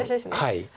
はい。